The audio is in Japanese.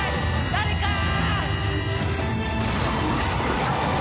誰かー！